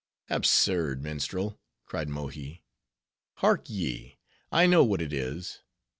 "Absurd, minstrel," cried Mohi. "Hark ye; I know what it is.